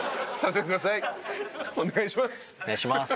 お願いします。